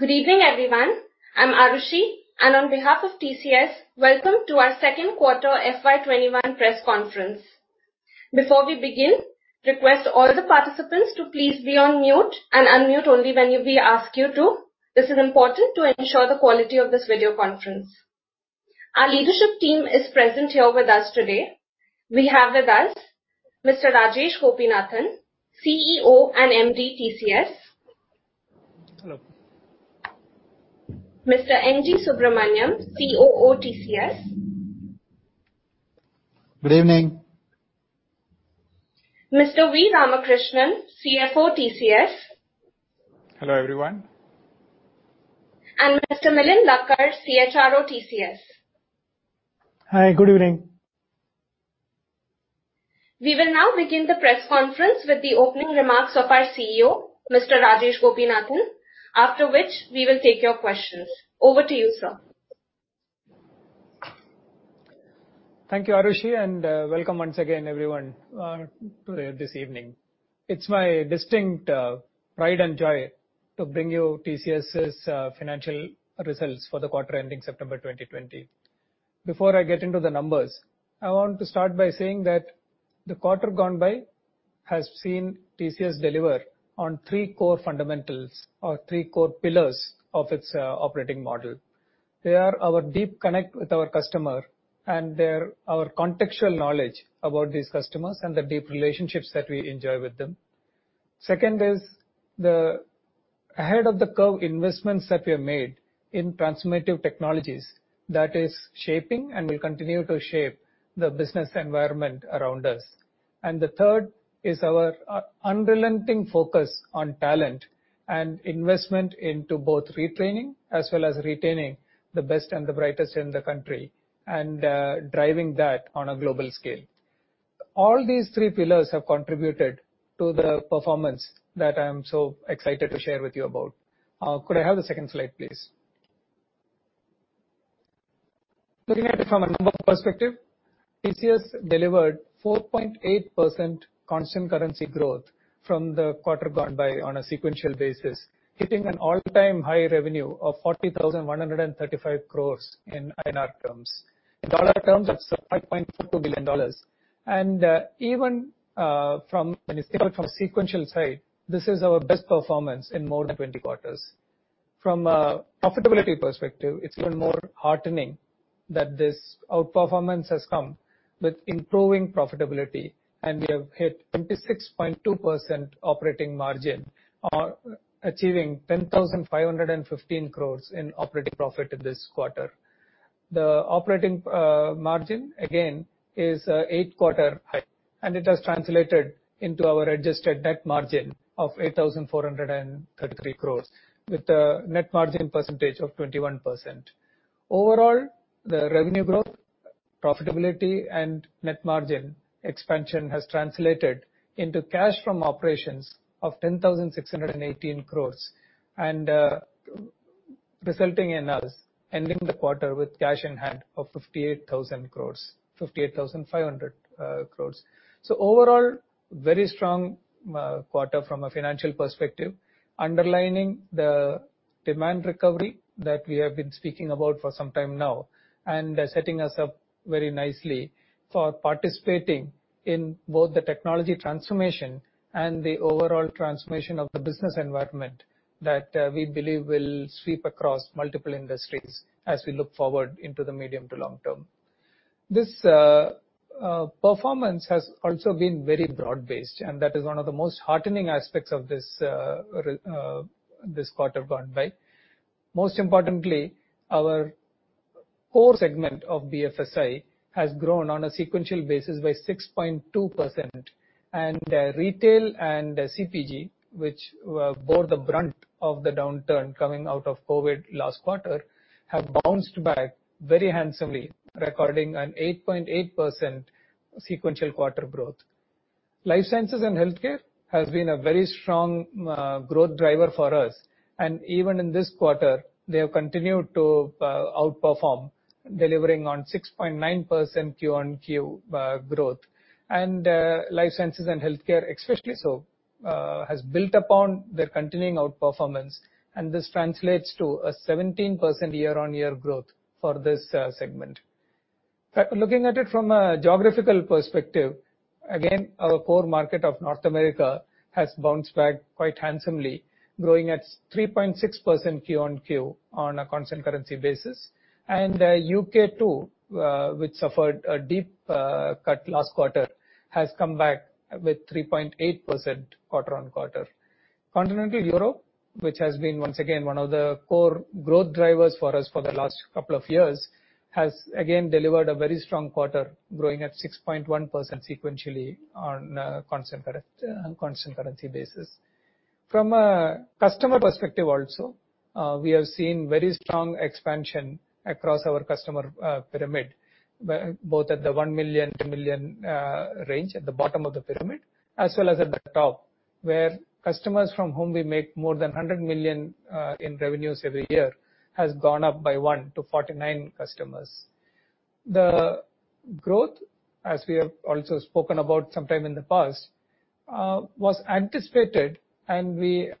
Good evening, everyone. I'm Arushi, and on behalf of TCS, welcome to our second quarter FY 2021 press conference. Before we begin, request all the participants to please be on mute and unmute only when we ask you to. This is important to ensure the quality of this video conference. Our leadership team is present here with us today. We have with us Mr. Rajesh Gopinathan, CEO and MD, TCS. Hello. Mr. N. G. Subramaniam, COO, TCS. Good evening. Mr. V. Ramakrishnan, CFO, TCS. Hello, everyone. Mr. Milind Lakkad, CHRO, TCS. Hi. Good evening. We will now begin the press conference with the opening remarks of our CEO, Mr. Rajesh Gopinathan, after which we will take your questions. Over to you, sir. Thank you, Arushi, and welcome once again, everyone, this evening. It's my distinct pride and joy to bring you TCS' financial results for the quarter ending September 2020. Before I get into the numbers, I want to start by saying that the quarter gone by has seen TCS deliver on three core fundamentals or three core pillars of its operating model. They are our deep connect with our customer and they're our contextual knowledge about these customers and the deep relationships that we enjoy with them. Second is the ahead-of-the-curve investments that we have made in transformative technologies that is shaping and will continue to shape the business environment around us. The third is our unrelenting focus on talent and investment into both retraining as well as retaining the best and the brightest in the country, and driving that on a global scale. All these three pillars have contributed to the performance that I'm so excited to share with you about. Could I have the second slide, please? Looking at it from a numbers perspective, TCS delivered 4.8% constant currency growth from the quarter gone by on a sequential basis, hitting an all-time high revenue of 40,135 crore INR in INR terms. In dollar terms, that's $5.42 billion. Even when you think of it from a sequential side, this is our best performance in more than 20 quarters. From a profitability perspective, it's even more heartening that this outperformance has come with improving profitability, and we have hit 26.2% operating margin on achieving 10,515 crore in operating profit this quarter. The operating margin, again, is eight quarter high, and it has translated into our adjusted net margin of 8,433 crore with a net margin percentage of 21%. Overall, the revenue growth, profitability, and net margin expansion has translated into cash from operations of 10,618 crore, resulting in us ending the quarter with cash in hand of 58,000 crore, 58,500 crore. Overall, very strong quarter from a financial perspective, underlining the demand recovery that we have been speaking about for some time now, setting us up very nicely for participating in both the technology transformation and the overall transformation of the business environment that we believe will sweep across multiple industries as we look forward into the medium to long term. This performance has also been very broad-based. That is one of the most heartening aspects of this quarter gone by. Most importantly, our core segment of BFSI has grown on a sequential basis by 6.2%, and retail and CPG, which bore the brunt of the downturn coming out of COVID last quarter, have bounced back very handsomely, recording an 8.8% sequential quarter growth. Life sciences and healthcare has been a very strong growth driver for us. Even in this quarter, they have continued to outperform, delivering on 6.9% QoQ growth. Life sciences and healthcare, especially so, has built upon their continuing outperformance, and this translates to a 17% year-on-year growth for this segment. Looking at it from a geographical perspective, again, our core market of North America has bounced back quite handsomely, growing at 3.6% QoQ on a constant currency basis. U.K. too, which suffered a deep cut last quarter, has come back with 3.8% quarter-on-quarter. Continental Europe, which has been, once again, one of the core growth drivers for us for the last couple of years, has again delivered a very strong quarter, growing at 6.1% sequentially on a constant currency basis. From a customer perspective also, we have seen very strong expansion across our customer pyramid, both at the 1 million-2 million range at the bottom of the pyramid, as well as at the top, where customers from whom we make more than 100 million in revenues every year has gone up by one to 49 customers. The growth, as we have also spoken about sometime in the past was anticipated, we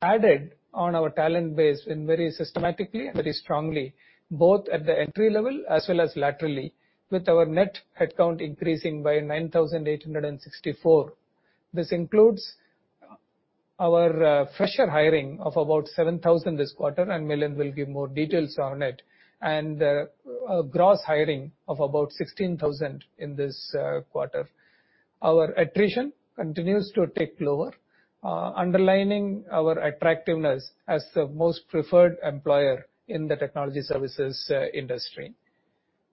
added on our talent base very systematically and very strongly, both at the entry level as well as laterally with our net headcount increasing by 9,864. This includes our fresher hiring of about 7,000 this quarter, and Milind will give more details on it, and a gross hiring of about 16,000 in this quarter. Our attrition continues to tick lower, underlining our attractiveness as the most preferred employer in the technology services industry.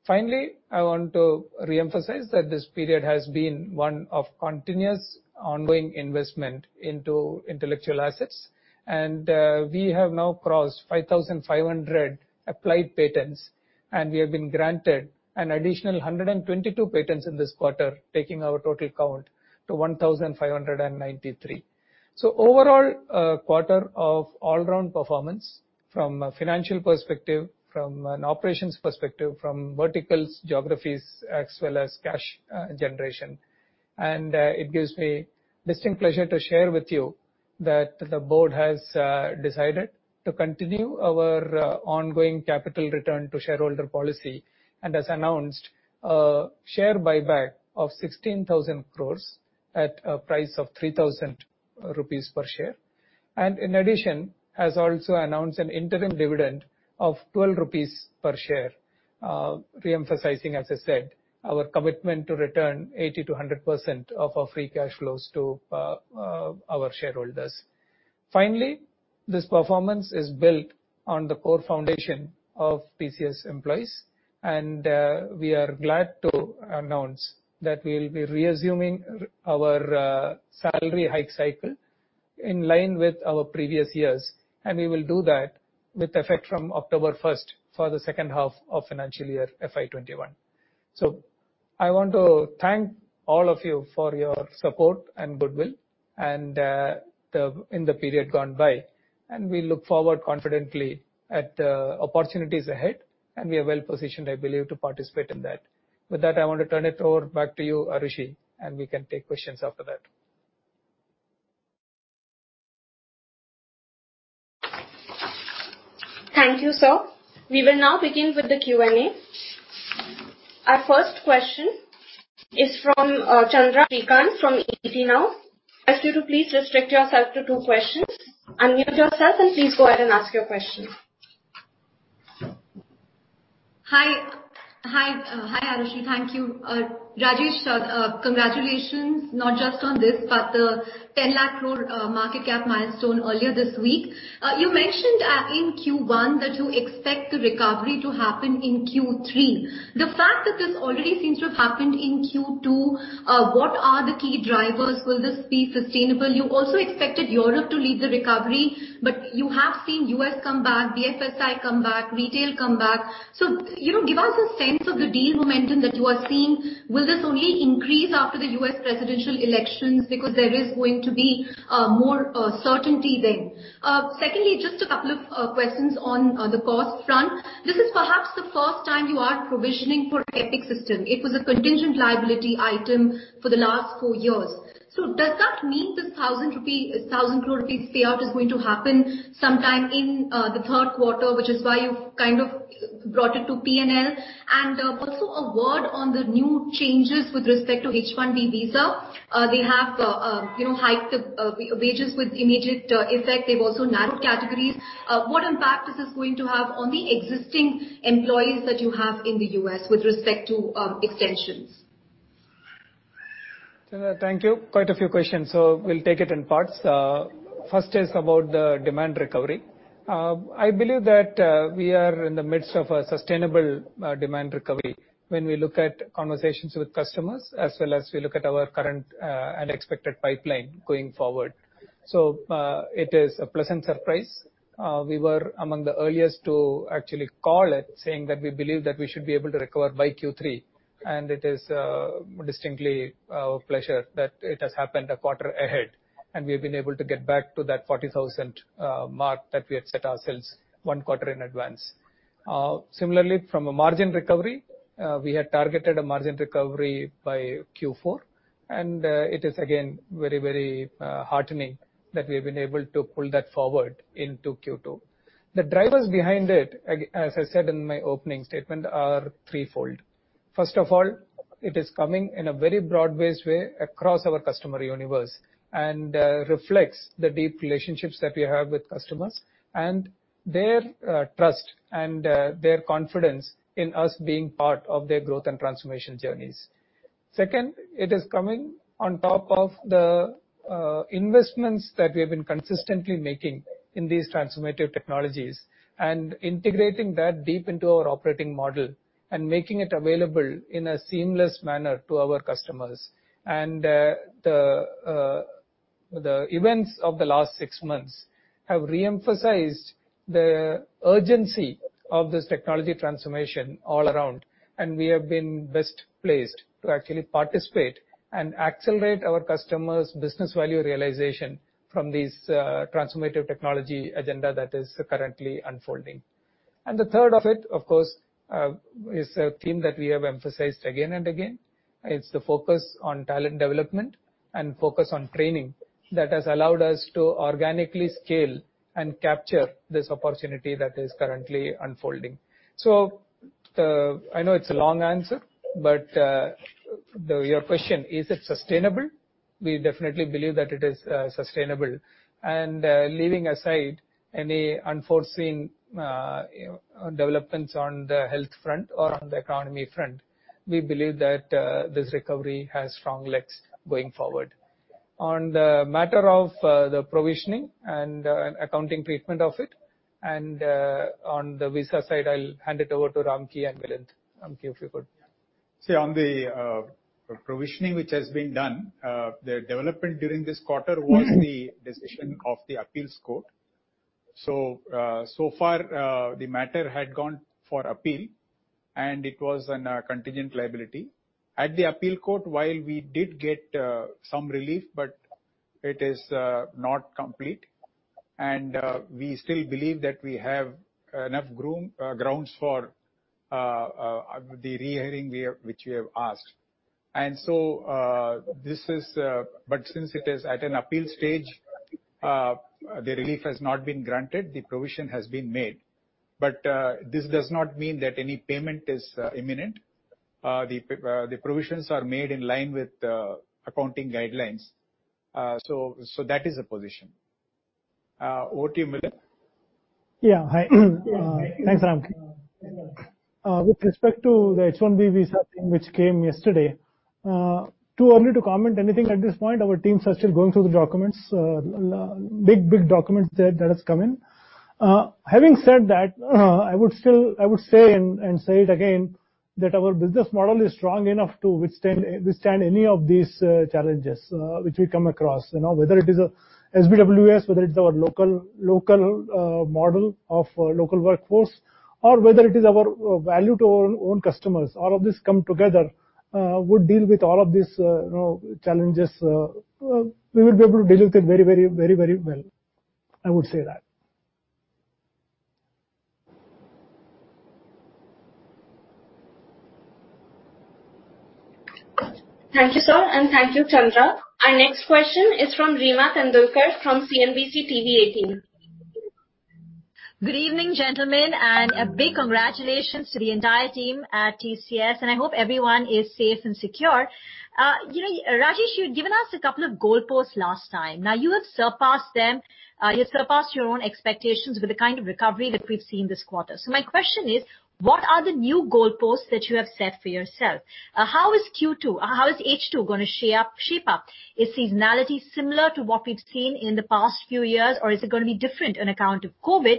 Finally, I want to reemphasize that this period has been one of continuous ongoing investment into intellectual assets, and we have now crossed 5,500 applied patents, and we have been granted an additional 122 patents in this quarter, taking our total count to 1,593. Overall, a quarter of all-round performance from a financial perspective, from an operations perspective, from verticals, geographies, as well as cash generation. It gives me distinct pleasure to share with you that the board has decided to continue our ongoing capital return to shareholder policy and has announced a share buyback of 16,000 crore at a price of 3,000 rupees per share. In addition, has also announced an interim dividend of 12 rupees per share, reemphasizing, as I said, our commitment to return 80%-100% of our free cash flows to our shareholders. Finally, this performance is built on the core foundation of TCS employees, and we are glad to announce that we'll be reassuming our salary hike cycle in line with our previous years, and we will do that with effect from October first for the second half of financial year FY 2021. I want to thank all of you for your support and goodwill in the period gone by. We look forward confidently at the opportunities ahead. We are well-positioned, I believe, to participate in that. With that, I want to turn it over back to you, Arushi, and we can take questions after that. Thank you, sir. We will now begin with the Q&A. Our first question is from Chandra Srikanth from ET Now. I ask you to please restrict yourself to two questions. Unmute yourself and please go ahead and ask your question. Hi, Arushi. Thank you. Rajesh, congratulations, not just on this, but the 10 lakh crore market cap milestone earlier this week. You mentioned in Q1 that you expect the recovery to happen in Q3. The fact that this already seems to have happened in Q2, what are the key drivers? Will this be sustainable? You also expected Europe to lead the recovery, but you have seen U.S. come back, BFSI come back, retail come back. Give us a sense of the deal momentum that you are seeing. Will this only increase after the U.S. presidential elections because there is going to be more certainty then? Secondly, just a couple of questions on the cost front. This is perhaps the first time you are provisioning for Epic Systems. It was a contingent liability item for the last four years. Does that mean this 1,000 crore rupee payout is going to happen sometime in the third quarter, which is why you've kind of brought it to P&L? Also a word on the new changes with respect to H-1B visa. They have hiked the wages with immediate effect. They've also narrowed categories. What impact this is going to have on the existing employees that you have in the U.S. with respect to extensions? Chandra, thank you. Quite a few questions, so we'll take it in parts. First is about the demand recovery. I believe that we are in the midst of a sustainable demand recovery when we look at conversations with customers as well as we look at our current and expected pipeline going forward. It is a pleasant surprise. We were among the earliest to actually call it, saying that we believe that we should be able to recover by Q3. It is distinctly our pleasure that it has happened a quarter ahead, and we've been able to get back to that 40,000 mark that we had set ourselves one quarter in advance. Similarly, from a margin recovery, we had targeted a margin recovery by Q4, and it is again very heartening that we've been able to pull that forward into Q2. The drivers behind it, as I said in my opening statement, are threefold. First of all, it is coming in a very broad-based way across our customer universe and reflects the deep relationships that we have with customers and their trust and their confidence in us being part of their growth and transformation journeys. Second, it is coming on top of the investments that we have been consistently making in these transformative technologies and integrating that deep into our operating model and making it available in a seamless manner to our customers. The events of the last six months have reemphasized the urgency of this technology transformation all around, and we have been best placed to actually participate and accelerate our customers' business value realization from this transformative technology agenda that is currently unfolding. The third of it, of course, is a theme that we have emphasized again and again. It's the focus on talent development and focus on training that has allowed us to organically scale and capture this opportunity that is currently unfolding. I know it's a long answer, but your question: Is it sustainable? We definitely believe that it is sustainable. Leaving aside any unforeseen developments on the health front or on the economy front, we believe that this recovery has strong legs going forward. On the matter of the provisioning and accounting treatment of it, on the visa side, I'll hand it over to Ramki and Milind. Ramki, if you could. On the provisioning which has been done, the development during this quarter was the decision of the appeals court. The matter had gone for appeal, and it was on a contingent liability. At the appeal court, while we did get some relief, but it is not complete, and we still believe that we have enough grounds for the rehearing which we have asked. It is at an appeal stage, the relief has not been granted. The provision has been made. This does not mean that any payment is imminent. The provisions are made in line with accounting guidelines. That is the position. Over to you, Milind. Yeah. Hi. Thanks, Ramki. With respect to the H-1B visa thing, which came yesterday, too early to comment anything at this point. Our teams are still going through the documents. Big documents there that has come in. Having said that, I would say and say it again, that our business model is strong enough to withstand any of these challenges which we come across. Whether it is a SBWS, whether it's our local model of local workforce or whether it is our value to our own customers, all of this come together would deal with all of these challenges. We will be able to deal with it very well. I would say that. Thank you, sir, and thank you, Chandra. Our next question is from Reema Tendulkar from CNBC TV18. Good evening, gentlemen, and a big congratulations to the entire team at TCS, and I hope everyone is safe and secure. Rajesh, you'd given us a couple of goalposts last time. You have surpassed them. You surpassed your own expectations with the kind of recovery that we've seen this quarter. My question is, what are the new goalposts that you have set for yourself? How is H2 going to shape up? Is seasonality similar to what we've seen in the past few years, or is it going to be different on account of COVID?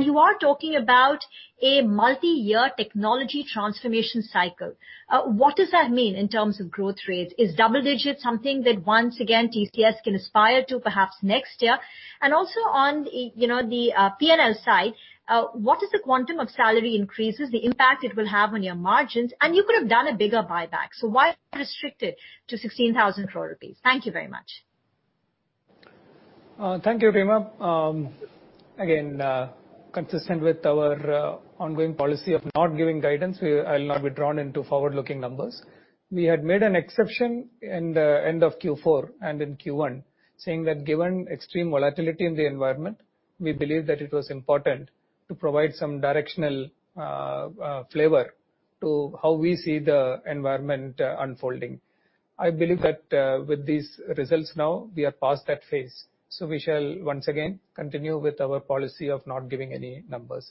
You are talking about a multi-year technology transformation cycle. What does that mean in terms of growth rates? Is double digit something that once again, TCS can aspire to, perhaps next year? Also on the P&L side, what is the quantum of salary increases, the impact it will have on your margins? You could have done a bigger buyback. Why restrict it to 16,000 crore rupees? Thank you very much. Thank you, Reema. Again, consistent with our ongoing policy of not giving guidance, I'll not be drawn into forward-looking numbers. We had made an exception in the end of Q4 and in Q1, saying that given extreme volatility in the environment, we believe that it was important to provide some directional flavor to how we see the environment unfolding. I believe that with these results now, we are past that phase. We shall once again continue with our policy of not giving any numbers.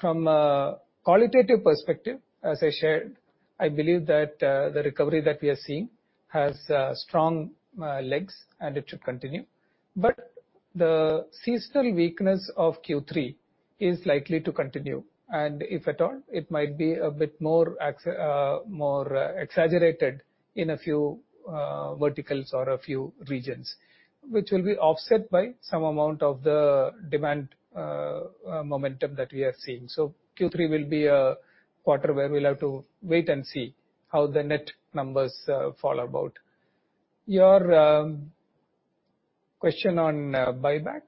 From a qualitative perspective, as I shared, I believe that the recovery that we are seeing has strong legs and it should continue. The seasonal weakness of Q3 is likely to continue, and if at all, it might be a bit more exaggerated in a few verticals or a few regions, which will be offset by some amount of the demand momentum that we are seeing. Q3 will be a quarter where we'll have to wait and see how the net numbers fall about. Your question on buyback.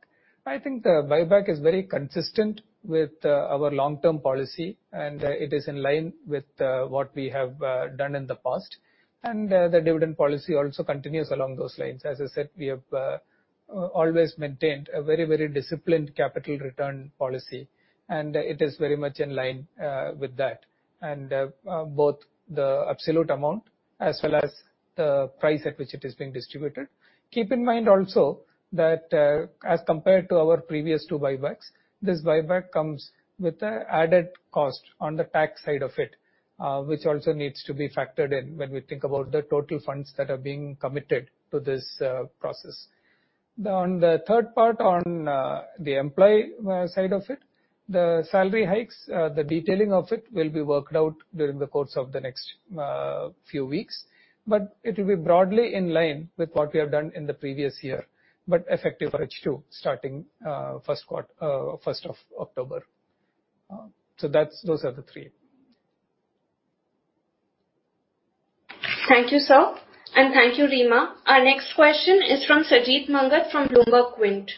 I think the buyback is very consistent with our long-term policy, and it is in line with what we have done in the past. The dividend policy also continues along those lines. As I said, we have always maintained a very disciplined capital return policy, and it is very much in line with that. Both the absolute amount as well as the price at which it is being distributed. Keep in mind also that as compared to our previous two buybacks, this buyback comes with added cost on the tax side of it, which also needs to be factored in when we think about the total funds that are being committed to this process. On the third part on the employee side of it, the salary hikes, the detailing of it will be worked out during the course of the next few weeks, but it will be broadly in line with what we have done in the previous year, but effective for H2, starting first of October. Those are the three. Thank you, sir. Thank you, Reema. Our next question is from Sajeet Manghat from BloombergQuint.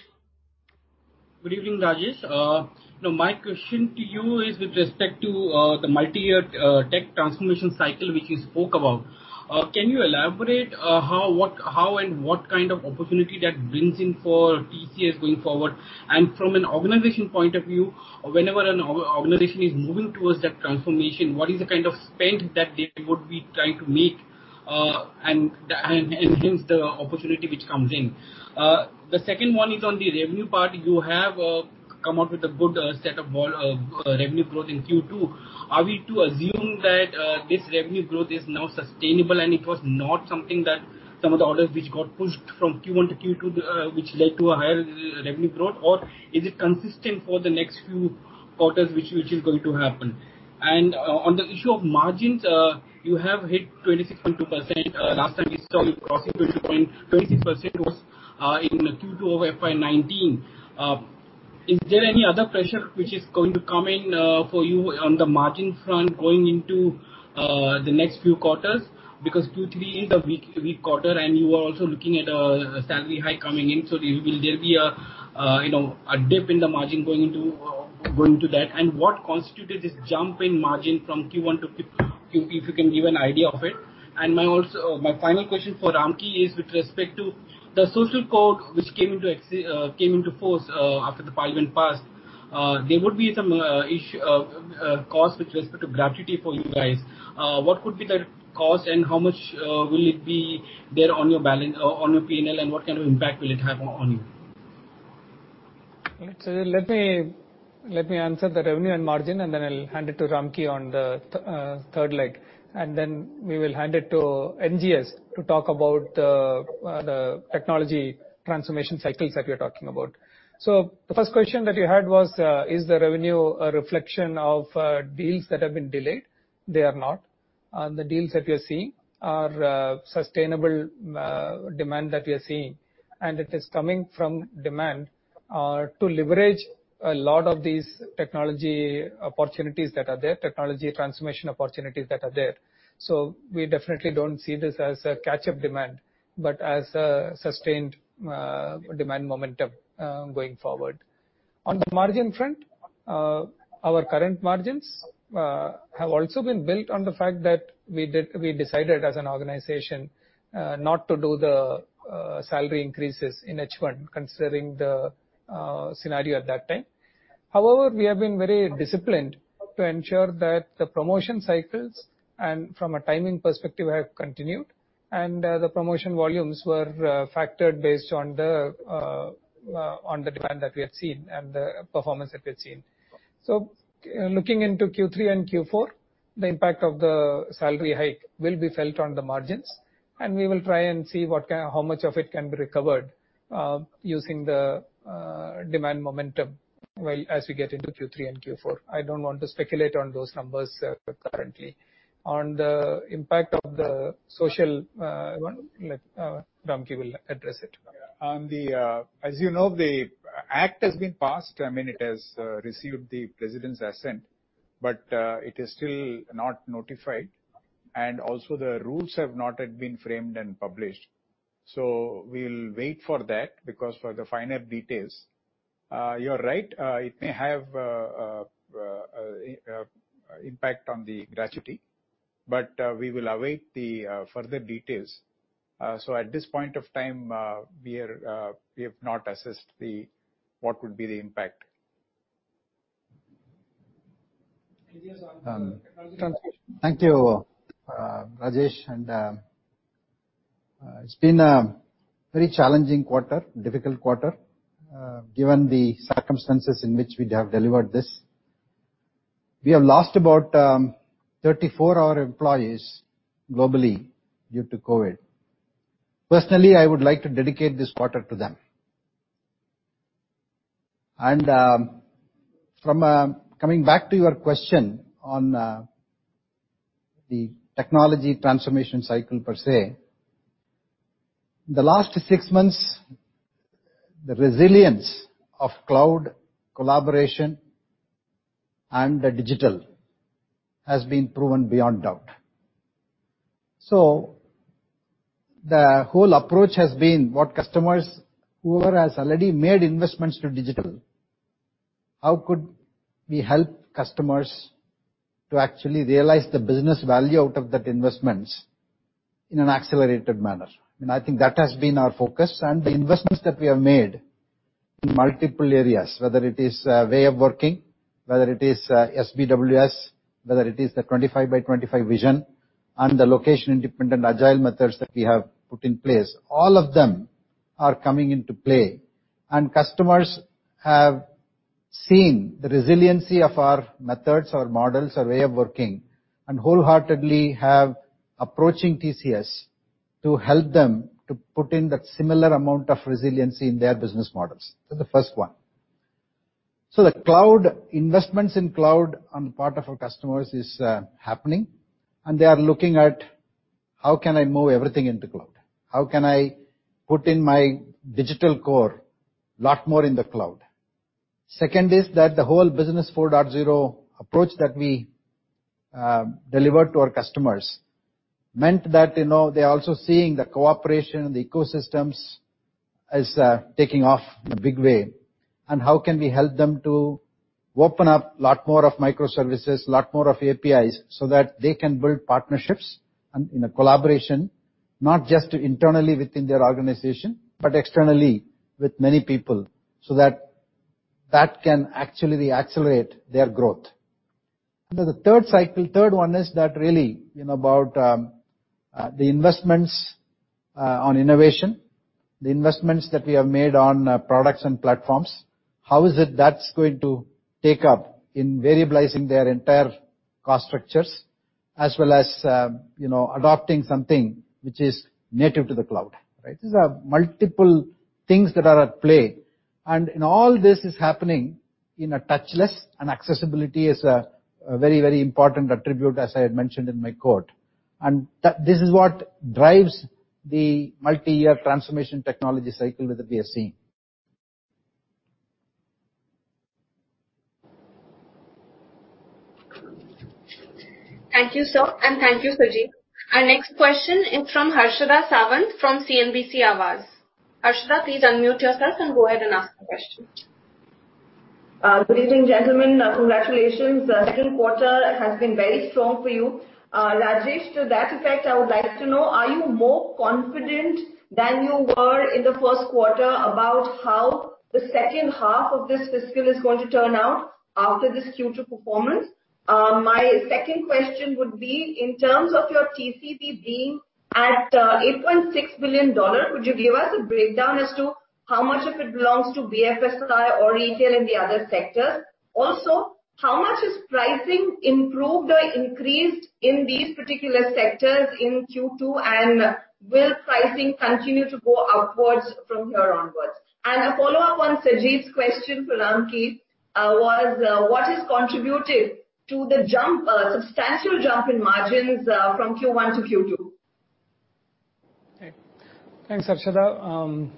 Good evening, Rajesh. My question to you is with respect to the multi-year tech transformation cycle, which you spoke about. Can you elaborate how and what kind of opportunity that brings in for TCS going forward? From an organization point of view, whenever an organization is moving towards that transformation, what is the kind of spend that they would be trying to make and hence the opportunity which comes in? The second one is on the revenue part. You have come out with a good set of revenue growth in Q2. Are we to assume that this revenue growth is now sustainable and it was not something that some of the orders which got pushed from Q1 to Q2, which led to a higher revenue growth? Or is it consistent for the next few quarters, which is going to happen? On the issue of margins, you have hit 26.2%. Last time we saw you crossing 26% was in Q2 of FY 2019. Is there any other pressure which is going to come in for you on the margin front going into the next few quarters? Q3 is a weak quarter and you are also looking at a salary hike coming in. Will there be a dip in the margin going into that? What constituted this jump in margin from Q1 to Q2, if you can give an idea of it. My final question for Ramki is with respect to the social code which came into force after the parliament passed. There would be some cost with respect to gratuity for you guys. What could be the cost and how much will it be there on your P&L, and what kind of impact will it have on you? Let me answer the revenue and margin, and then I'll hand it to Ramki on the third leg, and then we will hand it to N.G.S. to talk about the technology transformation cycles that we are talking about. The first question that you had was, is the revenue a reflection of deals that have been delayed? They are not. The deals that we are seeing are sustainable demand that we are seeing, and it is coming from demand to leverage a lot of these technology opportunities that are there, technology transformation opportunities that are there. We definitely don't see this as a catch-up demand, but as a sustained demand momentum going forward. On the margin front, our current margins have also been built on the fact that we decided as an organization not to do the salary increases in H1, considering the scenario at that time. However, we have been very disciplined to ensure that the promotion cycles and from a timing perspective have continued, and the promotion volumes were factored based on the demand that we have seen and the performance that we have seen. Looking into Q3 and Q4, the impact of the salary hike will be felt on the margins, and we will try and see how much of it can be recovered using the demand momentum as we get into Q3 and Q4. I don't want to speculate on those numbers currently. On the impact of the social one, Ramki will address it. As you know, the act has been passed. I mean, it has received the President's assent, but it is still not notified, and also the rules have not yet been framed and published. We'll wait for that because for the finer details. You're right, it may have impact on the gratuity, but we will await the further details. At this point of time, we have not assessed what would be the impact. N.G.S. on the technology transformation. Thank you, Rajesh. It's been a very challenging quarter, difficult quarter, given the circumstances in which we have delivered this. We have lost about 34 of our employees globally due to COVID. Personally, I would like to dedicate this quarter to them. Coming back to your question on the technology transformation cycle per se. The last six months, the resilience of cloud collaboration and the digital has been proven beyond doubt. The whole approach has been what customers whoever has already made investments to digital, how could we help customers to actually realize the business value out of that investments in an accelerated manner? I think that has been our focus and the investments that we have made in multiple areas, whether it is way of working, whether it is SBWS, whether it is the 25 by 25 vision and the location-independent agile methods that we have put in place. All of them are coming into play. Customers have seen the resiliency of our methods, our models, our way of working, and wholeheartedly have approaching TCS to help them to put in that similar amount of resiliency in their business models. That's the first one. The investments in cloud on part of our customers is happening, and they are looking at how can I move everything into cloud? How can I put in my digital core a lot more in the cloud? Second is that the whole Business 4.0 approach that we deliver to our customers meant that they're also seeing the cooperation and the ecosystems as taking off in a big way. How can we help them to open up a lot more of microservices, a lot more of APIs, so that they can build partnerships and in a collaboration, not just internally within their organization, but externally with many people, so that can actually accelerate their growth. The third one is that really about the investments on innovation, the investments that we have made on products and platforms. How is it that's going to take up in variabilizing their entire cost structures as well as adopting something which is native to the cloud. These are multiple things that are at play. All this is happening in a touchless, and accessibility is a very important attribute, as I had mentioned in my quote. This is what drives the multi-year transformation technology cycle that we are seeing. Thank you, sir, and thank you, Sajeet. Our next question is from Harshada Sawant from CNBC Awaaz. Harshada, please unmute yourself and go ahead and ask the question. Good evening, gentlemen. Congratulations. Second quarter has been very strong for you. Rajesh, to that effect, I would like to know, are you more confident than you were in the first quarter about how the second half of this fiscal is going to turn out after this Q2 performance? My second question would be, in terms of your TCV being at $8.6 billion, could you give us a breakdown as to how much of it belongs to BFSI or retail in the other sectors? Also, how much has pricing improved or increased in these particular sectors in Q2, and will pricing continue to go upwards from here onwards? A follow-up on Sajeet's question, Ramki, was what has contributed to the substantial jump in margins from Q1 to Q2? Okay. Thanks, Harshada.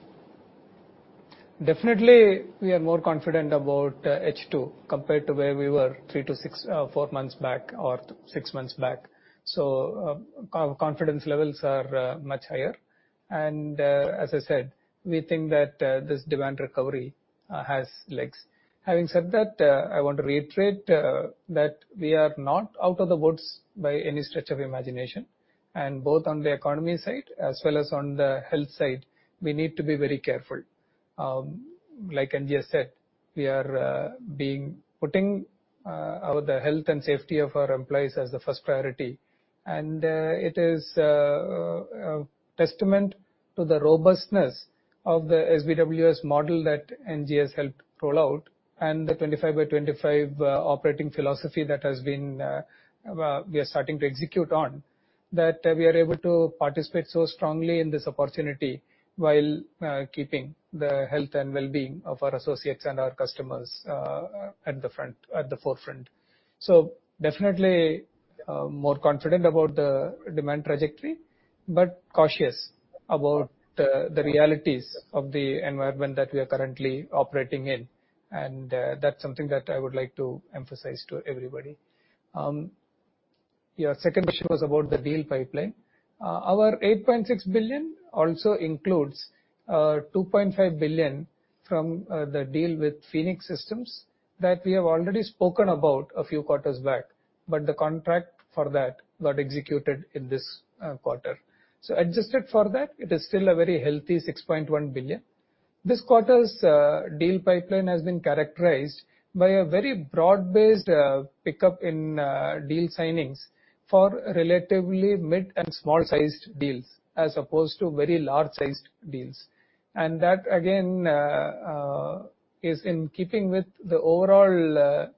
Definitely, we are more confident about H2 compared to where we were three to four months back or six months back. Confidence levels are much higher. As I said, we think that this demand recovery has legs. Having said that, I want to reiterate that we are not out of the woods by any stretch of imagination. Both on the economy side as well as on the health side, we need to be very careful. Like N.G. said, we are putting the health and safety of our employees as the first priority. It is a testament to the robustness of the SBWS model that N.G. has helped roll out and the 25 by 25 operating philosophy that we are starting to execute on, that we are able to participate so strongly in this opportunity while keeping the health and well-being of our associates and our customers at the forefront. Definitely more confident about the demand trajectory, but cautious about the realities of the environment that we are currently operating in. That's something that I would like to emphasize to everybody. Your second question was about the deal pipeline. Our $8.6 billion also includes $2.5 billion from the deal with Phoenix Systems that we have already spoken about a few quarters back, but the contract for that got executed in this quarter. Adjusted for that, it is still a very healthy $6.1 billion. This quarter's deal pipeline has been characterized by a very broad-based pickup in deal signings for relatively mid and small-sized deals as opposed to very large-sized deals. That again is in keeping with the overall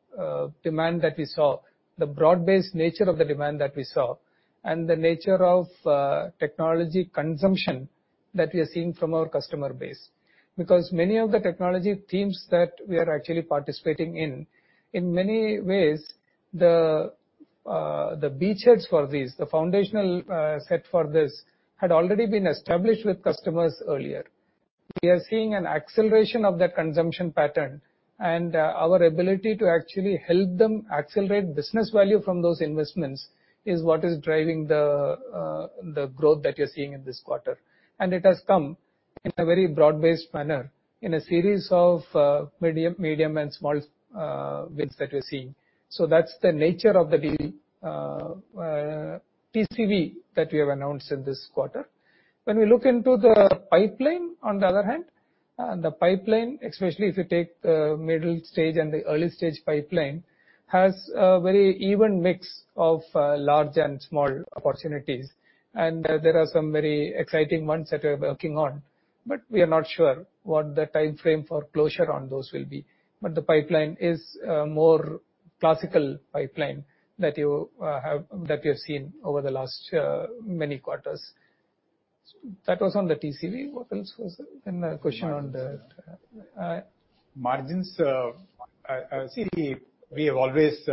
demand that we saw, the broad-based nature of the demand that we saw, and the nature of technology consumption that we are seeing from our customer base. Many of the technology themes that we are actually participating in many ways, the beachheads for these, the foundational set for this had already been established with customers earlier. We are seeing an acceleration of that consumption pattern, and our ability to actually help them accelerate business value from those investments is what is driving the growth that you're seeing in this quarter. It has come in a very broad-based manner in a series of medium and small wins that we're seeing. That's the nature of the deal TCV that we have announced in this quarter. When we look into the pipeline, on the other hand, the pipeline, especially if you take the middle stage and the early stage pipeline, has a very even mix of large and small opportunities. There are some very exciting ones that we're working on, but we are not sure what the timeframe for closure on those will be. The pipeline is a more classical pipeline that we have seen over the last many quarters. That was on the TCV. Ramki, about the question on the.. Margins. We have always,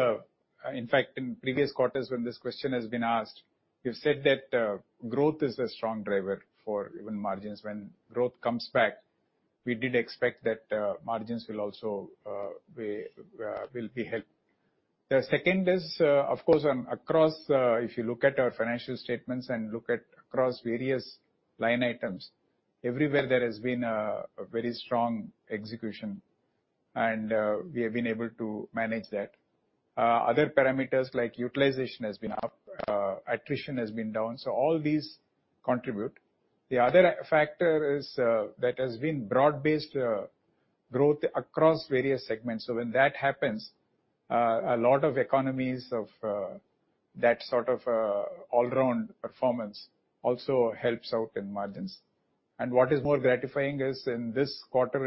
in fact, in previous quarters when this question has been asked. You said that growth is a strong driver for even margins. When growth comes back, we did expect that margins will be helped. The second is, of course, if you look at our financial statements and look at across various line items, everywhere there has been a very strong execution, and we have been able to manage that. Other parameters like utilization has been up, attrition has been down. All these contribute. The other factor is that has been broad-based growth across various segments. When that happens, a lot of economies of that sort of all-round performance also helps out in margins. What is more gratifying is in this quarter,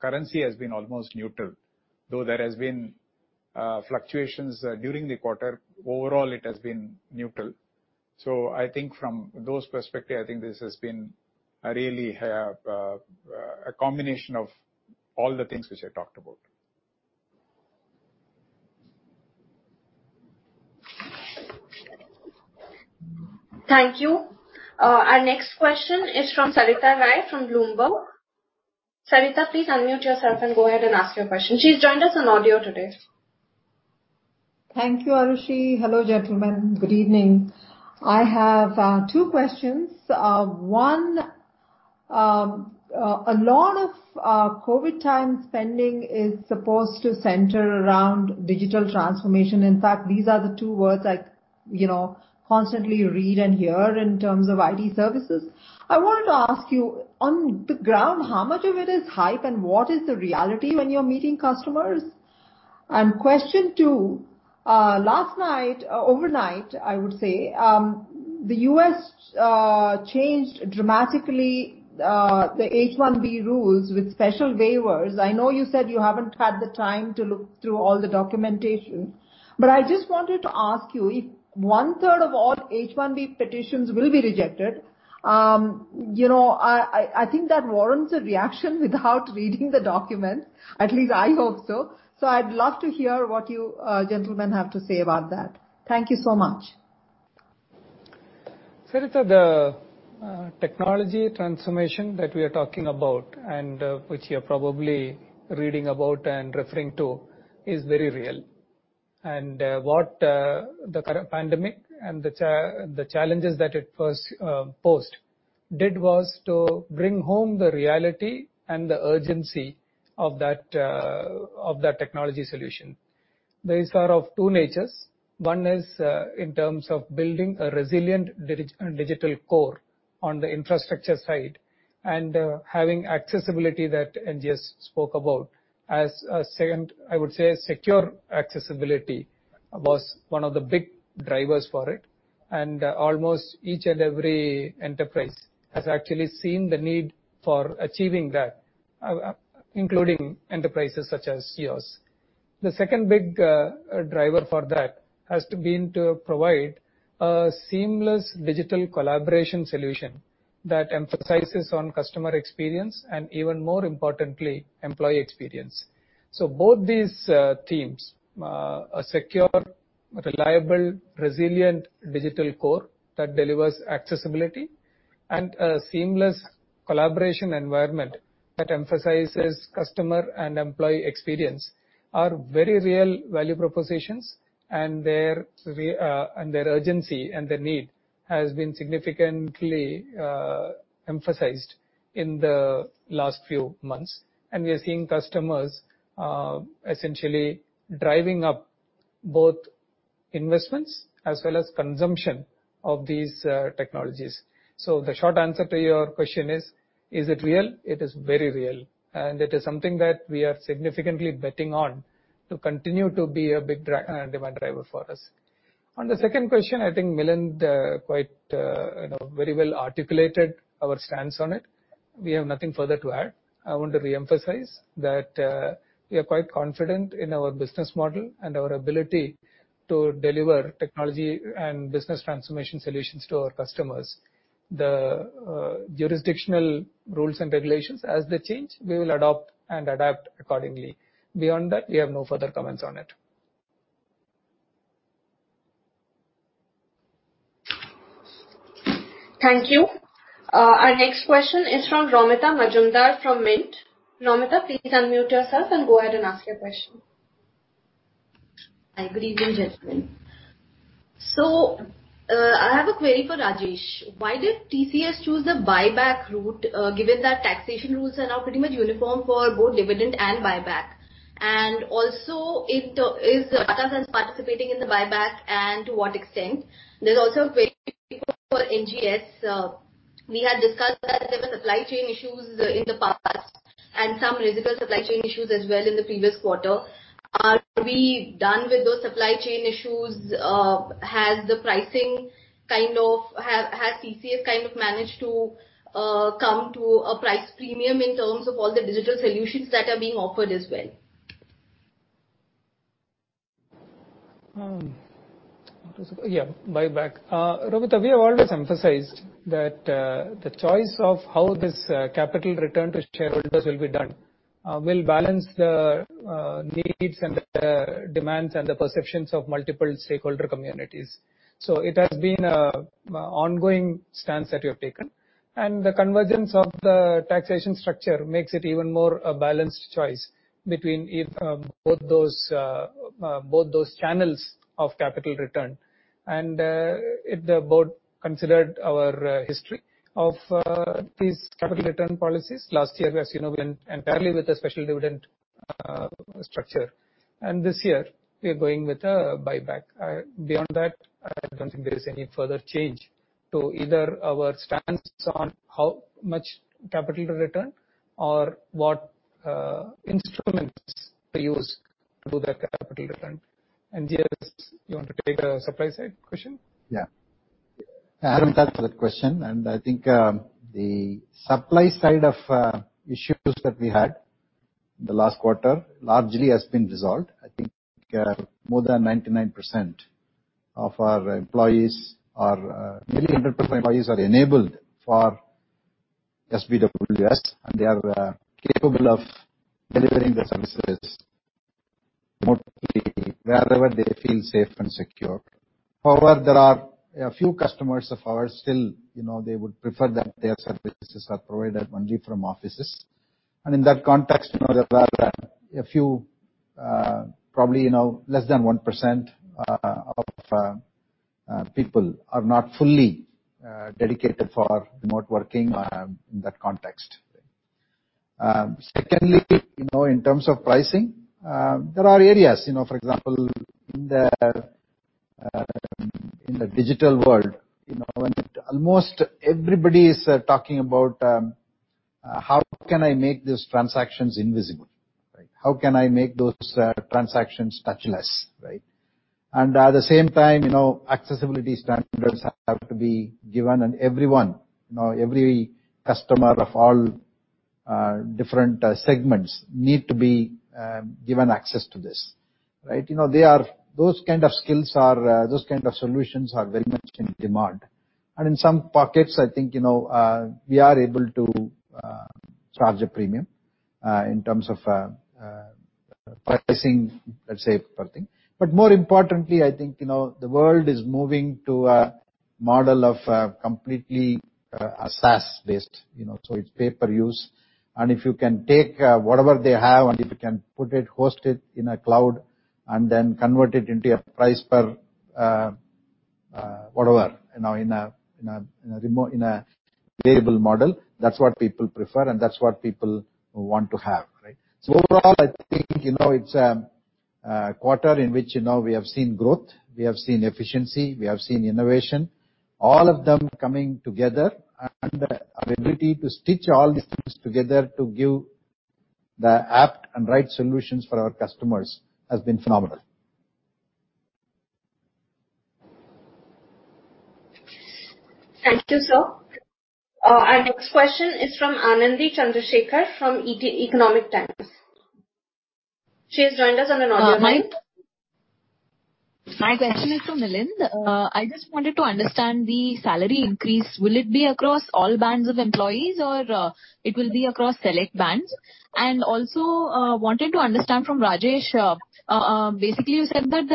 currency has been almost neutral, though there has been fluctuations during the quarter. Overall, it has been neutral. I think from those perspective, I think this has been a combination of all the things. which I talked about. Thank you. Our next question is from Saritha Rai from Bloomberg. Saritha, please unmute yourself and go ahead and ask your question. She's joined us on audio today. Thank you, Arushi. Hello, gentlemen. Good evening. I have two questions. One, a lot of our COVID time spending is supposed to center around digital transformation. In fact, these are the two words I constantly read and hear in terms of IT services. I wanted to ask you, on the ground, how much of it is hype, and what is the reality when you're meeting customers? Question two, last night, overnight, I would say, the U.S. changed dramatically the H-1B rules with special waivers. I know you said you haven't had the time to look through all the documentation, but I just wanted to ask you if 1/3 of all H-1B petitions will be rejected. I think that warrants a reaction without reading the document, at least I hope so. I'd love to hear what you gentlemen have to say about that. Thank you so much. Saritha, the technology transformation that we are talking about, which you're probably reading about and referring to, is very real. What the current pandemic and the challenges that it posed did was to bring home the reality and the urgency of that technology solution. These are of two natures. One is in terms of building a resilient digital core on the infrastructure side and having accessibility that N.G.S. spoke about. As a second, I would say secure accessibility was one of the big drivers for it, almost each and every enterprise has actually seen the need for achieving that, including enterprises such as yours. The second big driver for that has been to provide a seamless digital collaboration solution that emphasizes on customer experience and, even more importantly, employee experience. Both these themes, a secure, reliable, resilient digital core that delivers accessibility and a seamless collaboration environment that emphasizes customer and employee experience, are very real value propositions, and their urgency and their need has been significantly emphasized in the last few months. We are seeing customers essentially driving up both investments as well as consumption of these technologies. The short answer to your question is it real? It is very real, and it is something that we are significantly betting on to continue to be a big demand driver for us. On the second question, I think Milind quite very well articulated our stance on it. We have nothing further to add. I want to reemphasize that we are quite confident in our business model and our ability to deliver technology and business transformation solutions to our customers. The jurisdictional rules and regulations, as they change, we will adopt and adapt accordingly. Beyond that, we have no further comments on it. Thank you. Our next question is from Romita Majumdar from Mint. Romita, please unmute yourself and go ahead and ask your question. Hi. Good evening, gentlemen. I have a query for Rajesh. Why did TCS choose the buyback route, given that taxation rules are now pretty much uniform for both dividend and buyback? Also, is Tata Sons participating in the buyback, and to what extent? There's also a query for N.G.S.. We had discussed that there were supply chain issues in the past and some residual supply chain issues as well in the previous quarter. Are we done with those supply chain issues? Has TCS managed to come to a price premium in terms of all the digital solutions that are being offered as well? Yeah. Buyback. Romita, we have always emphasized that the choice of how this capital return to shareholders will be done. I will balance the needs and the demands and the perceptions of multiple stakeholder communities. It has been an ongoing stance that we have taken, and the convergence of the taxation structure makes it even more a balanced choice between both those channels of capital return. If the board considered our history of these capital return policies, last year, as you know, we went entirely with a special dividend structure. This year we are going with a buyback. Beyond that, I don't think there is any further change to either our stance on how much capital to return or what instruments to use to do that capital return. N.G.S., you want to take the supply side question? Yeah. Thanks for that question. I think the supply side of issues that we had the last quarter largely has been resolved. I think more than 99% of our employees are, nearly 100% employees are enabled for SBWS, they are capable of delivering the services remotely wherever they feel safe and secure. However, there are a few customers of ours still, they would prefer that their services are provided only from offices. In that context, there are a few, probably less than 1% of people are not fully dedicated for remote working in that context. Secondly, in terms of pricing, there are areas, for example, in the digital world almost everybody is talking about how can I make these transactions invisible. How can I make those transactions touchless, right? At the same time, accessibility standards have to be given, and every customer of all different segments need to be given access to this. Those kind of skills or those kind of solutions are very much in demand. In some pockets, I think, we are able to charge a premium in terms of pricing, let's say, per thing. More importantly, I think, the world is moving to a model of completely SaaS-based, so it's pay per use. If you can take whatever they have, and if you can put it, host it in a cloud, and then convert it into a price per whatever in a variable model, that's what people prefer and that's what people want to have. Overall, I think, it's a quarter in which we have seen growth, we have seen efficiency, we have seen innovation. All of them coming together and our ability to stitch all these things together to give the apt and right solutions for our customers has been phenomenal. Thank you, sir. Our next question is from Anandi Chandrashekhar from The Economic Times. She has joined us on an audio mic. My question is to Milind. I just wanted to understand the salary increase. Will it be across all bands of employees or it will be across select bands? Also wanted to understand from Rajesh, basically you said that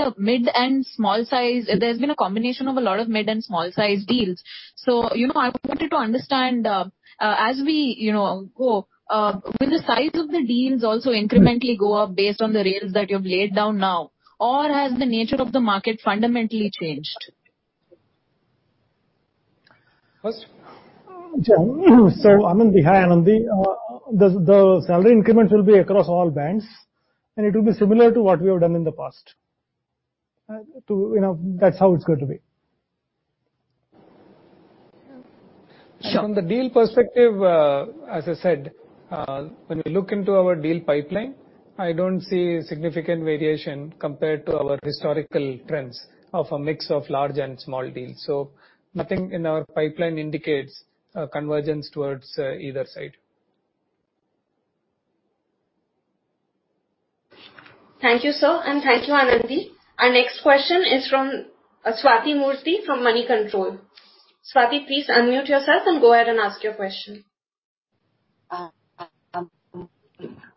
there's been a combination of a lot of mid and small size deals. I wanted to understand, as we go, will the size of the deals also incrementally go up based on the rails that you've laid down now? Or has the nature of the market fundamentally changed? Hi, Anandi. The salary increments will be across all bands, and it will be similar to what we have done in the past. That's how it's going to be. Sure. From the deal perspective, as I said, when we look into our deal pipeline, I don't see significant variation compared to our historical trends of a mix of large and small deals. Nothing in our pipeline indicates a convergence towards either side. Thank you, sir, and thank you, Anandi. Our next question is from Swathi Moorthy from Moneycontrol. Swathi, please unmute yourself and go ahead and ask your question.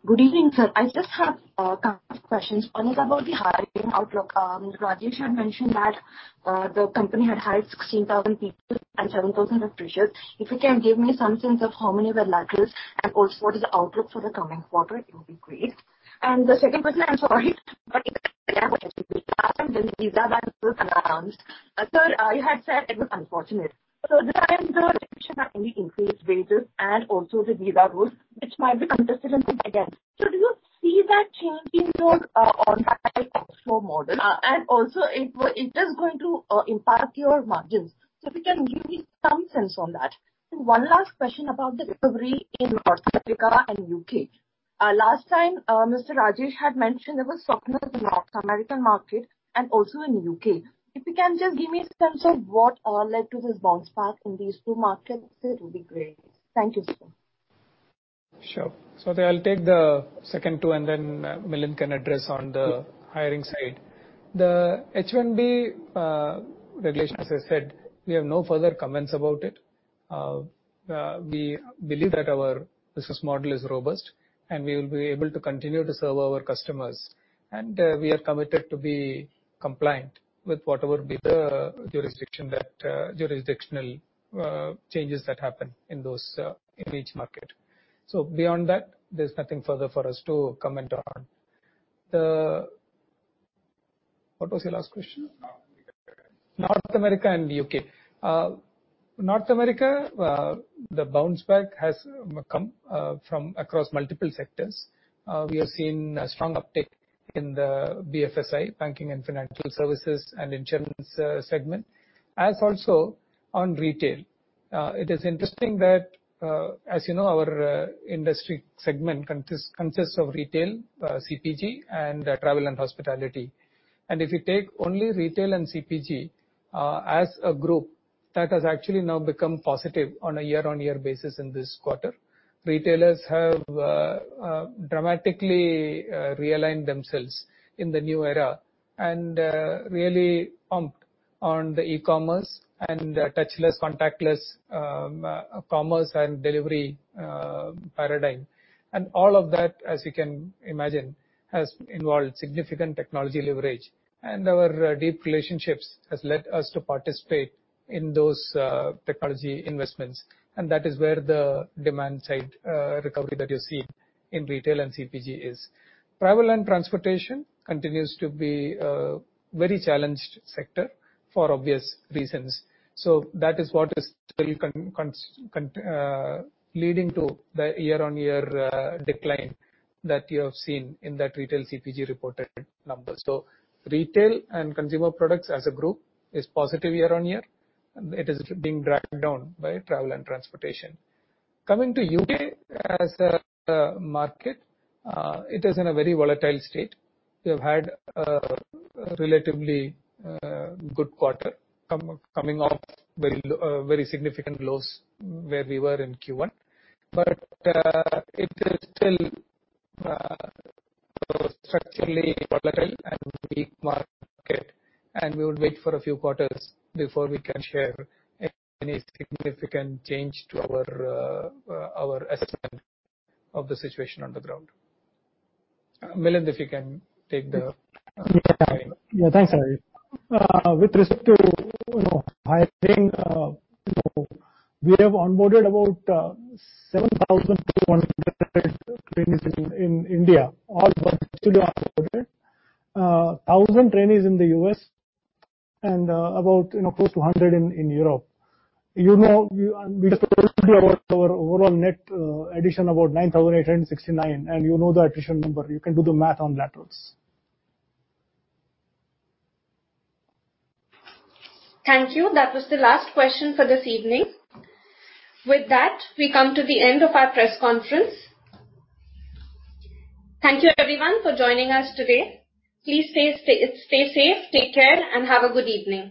Good evening, sir. I just have a couple of questions. One is about the hiring outlook. Rajesh had mentioned that the company had hired 16,000 people and 7,000 freshers. If you can give me some sense of how many were lateral and also what is the outlook for the coming quarter, it will be great. The second question, I'm sorry, but visa ban was announced. Sir, you had said it was unfortunate. This time there were any increased wages and also the visa rules, which might be contested again. Do you see that changing your on-site outflow model? Also if it is going to impact your margins. If you can give me some sense on that. One last question about the recovery in North America and U.K. Last time, Mr. Rajesh had mentioned there was softness in North American market and also in U.K. If you can just give me a sense of what led to this bounce back in these two markets, it will be great. Thank you, sir. Sure. Swathi, I'll take the second two. Then Milind can address on the hiring side. The H-1B regulation, as I said, we have no further comments about it. We believe that our business model is robust, and we will be able to continue to serve our customers. We are committed to be compliant with whatever be the jurisdictional changes that happen in each market. Beyond that, there's nothing further for us to comment on. What was your last question? North America. North America and U.K. North America, the bounce back has come from across multiple sectors. We have seen a strong uptick in the BFSI, banking and financial services, and insurance segment, as also on retail. It is interesting that, as you know, our industry segment consists of retail, CPG, and travel and hospitality. If you take only retail and CPG as a group, that has actually now become positive on a year-on-year basis in this quarter. Retailers have dramatically realigned themselves in the new era and really pumped on the e-commerce and touchless, contactless commerce and delivery paradigm. All of that, as you can imagine, has involved significant technology leverage, and our deep relationships has led us to participate in those technology investments, and that is where the demand-side recovery that you see in retail and CPG is. Travel and transportation continues to be a very challenged sector, for obvious reasons. That is what is still leading to the year-on-year decline that you have seen in that retail CPG reported number. Retail and consumer products as a group is positive year-on-year. It is being dragged down by travel and transportation. Coming to U.K. as a market, it is in a very volatile state. We have had a relatively good quarter coming off very significant lows where we were in Q1. It is still structurally volatile and weak market, and we would wait for a few quarters before we can share any significant change to our assessment of the situation on the ground. Milind, if you can take the- Yeah. Thanks, Rajesh. With respect to hiring, we have onboarded about trainees in India, all virtually onboarded. 1,000 trainees in the U.S. and about close to 100 in Europe. You know our overall net addition about 9,869, and you know the attrition number. You can do the math on that also. Thank you. That was the last question for this evening. With that, we come to the end of our press conference. Thank you everyone for joining us today. Please stay safe, take care, and have a good evening.